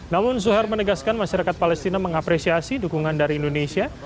namun zuhari menegaskan masyarakat palestina mengapresiasi dukungan dari indonesia